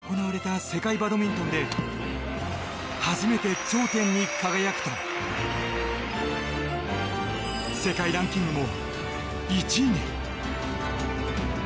そんな山口は去年行われた世界バドミントンで初めて頂点に輝くと世界ランキングも１位に。